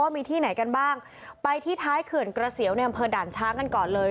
มีที่ไหนกันบ้างไปที่ท้ายเขื่อนกระเสียวในอำเภอด่านช้างกันก่อนเลย